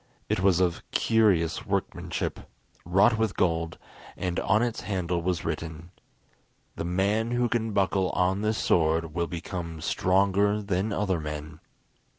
It was of curious workmanship, wrought with gold, and on its handle was written: "The man who can buckle on this sword will become stronger than other men."